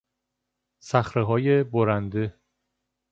صخرههای برنده